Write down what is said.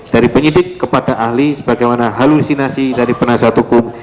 dari penyidik kepada ahli sebagaimana halusinasi dari penasihat hukum